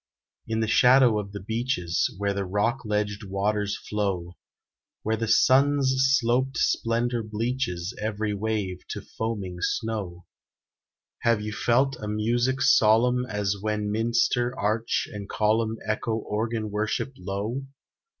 In the shadow of the beeches, Where the rock ledged waters flow; Where the sun's sloped splendor bleaches Every wave to foaming snow, Have you felt a music solemn As when minster arch and column Echo organ worship low?